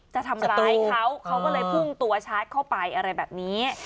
จะทำร้ายเขาเขาก็เลยพุ่งตัวชาร์จเข้าไปอะไรแบบนี้